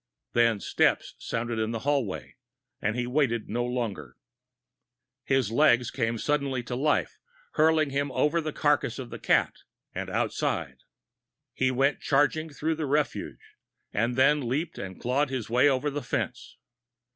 Then steps sounded in the hallway, and he waited no longer. His legs came to sudden life, hurling him over the carcass of the cat and outside. He went charging through the refuse, and then leaped and clawed his way over the fence.